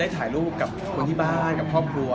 ถ่ายรูปกับคนที่บ้านกับครอบครัว